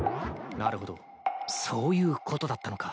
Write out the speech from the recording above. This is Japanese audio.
なるほどそういうことだったのか。